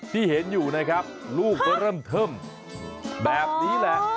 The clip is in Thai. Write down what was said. ที่เห็นอยู่นะครับลูกก็เริ่มเทิมแบบนี้แหละ